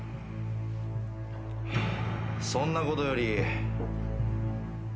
ハァそんなことより。